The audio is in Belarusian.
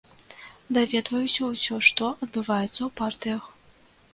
Даведваюся ўсё, што адбываецца ў партыях.